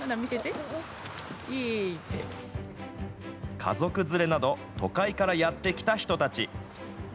家族連れなど、都会からやって来た人たち。